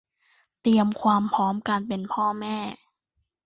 เตรียมความพร้อมการเป็นพ่อแม่